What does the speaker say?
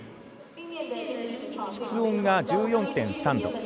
室温が１４．３度。